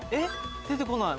出てこない。